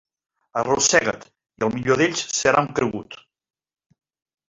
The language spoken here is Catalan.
Arrossega't, i el millor d'ells serà un cregut.